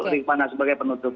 itu ring panas sebagai penutup